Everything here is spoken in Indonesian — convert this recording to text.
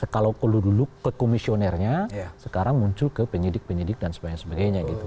kalau dulu ke komisionernya sekarang muncul ke penyidik penyidik dan sebagainya gitu